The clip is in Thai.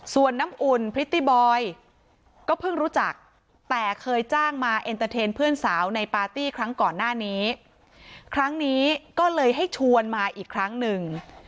ส่วนน้ำอุ่นพริตตี้บอยก็เพิ่งรู้จักแต่เคยจ้างมาเอ็นเตอร์เทนเพื่อนสาวในปาร์ตี้ครั้งก่อนหน้านี้ครั้งนี้ก็เลยให้ชวนมาอีกครั้งหนึ่ง